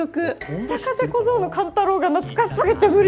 「北風小僧の寒太郎」が懐かしすぎて無理。